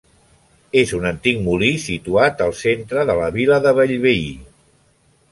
És un antic molí situat al centre de la vila de Bellveí.